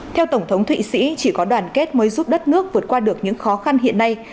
theo tổng thống thụy sĩ chỉ có đoàn kết mới giúp đất nước vượt qua được những khó khăn hiện nay